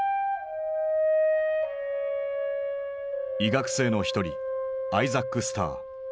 医学生の一人アイザック・スター。